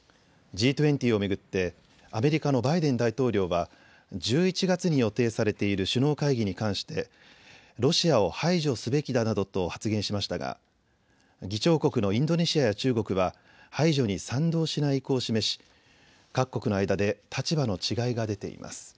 Ｇ２０を巡ってアメリカのバイデン大統領は１１月に予定されている首脳会議に関してロシアを排除すべきだなどと発言しましたが議長国のインドネシアや中国は排除に賛同しない意向を示し各国の間で立場の違いが出ています。